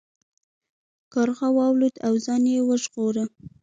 کارغه والوت او ځان یې وژغوره.